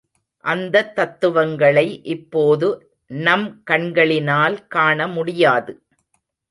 அந்தத் தத்துவங்களை இப்போது நம் கண்களினால் காண முடியாது.